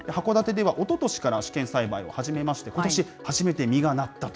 函館ではおととしから試験栽培を始めまして、ことし初めて実がなったと。